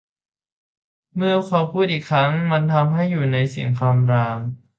เมื่อเขาพูดอีกครั้ง มันทำให้อยู่ในเสียงคำราม